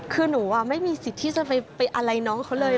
คือหนูไม่มีสิทธิ์ที่จะไปอะไรน้องเขาเลย